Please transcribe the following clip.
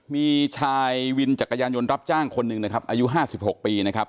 มีชายวินจักรยานยนต์รับจ้างคนหนึ่งนะครับอายุ๕๖ปีนะครับ